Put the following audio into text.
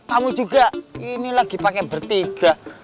kamu juga ini lagi pakai bertiga